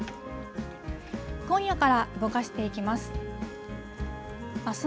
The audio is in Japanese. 今夜から動かしていきます。